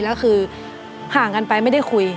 แล้วคือห่างกันไปไม่ได้คุย